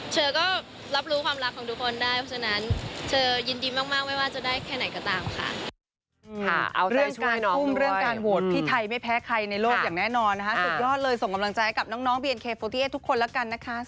เธอก็รับรู้ความรักของทุกคนได้เพราะฉะนั้นเธอยินดีมากไม่ว่าจะได้แค่ไหนก็ตามค่ะ